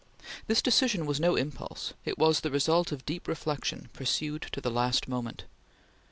This decision was no sudden impulse; it was the result of deep reflection pursued to the last moment.